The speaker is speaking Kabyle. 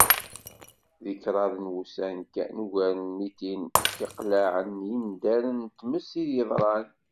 Di kraḍ n wussan kan, ugar n mitin n yiqlaɛen n yindaren n tmes i d-yeḍran.